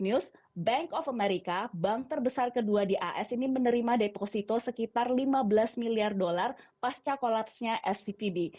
news bank of america bank terbesar kedua di as ini menerima deposito sekitar lima belas miliar dolar pasca kolapsnya svtb